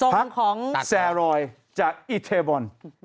ทางของแซรอยจากอิเทบอล